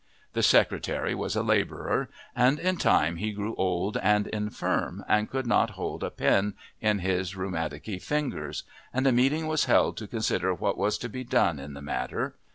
The secretary was a labourer, and in time he grew old and infirm and could not hold a pen in his rheumaticky fingers, and a meeting was held to consider what was to be done in the matter.